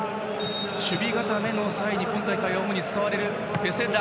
守備固めの際に今大会主に使われるペセッラ。